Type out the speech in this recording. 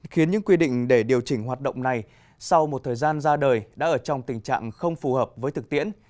khiến những quy định để điều chỉnh hoạt động này sau một thời gian ra đời đã ở trong tình trạng không phù hợp với thực tiễn